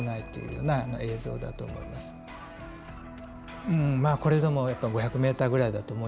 うんまあこれでも５００ｍぐらいだと思いますよ。